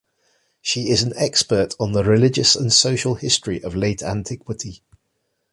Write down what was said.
She is an expert on the religious and social history of Late Antiquity.